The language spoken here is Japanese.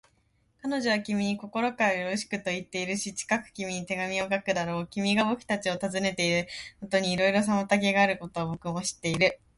彼女は君に心からよろしくといっているし、近く君に手紙を書くだろう。君がぼくたちを訪ねてくれることにいろいろ妨げがあることは、ぼくも知っている。